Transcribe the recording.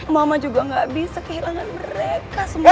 mama juga gak bisa kehilangan mereka semua